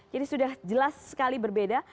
sudah jelas sekali berbeda